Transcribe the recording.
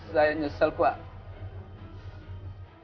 saya nyesel pak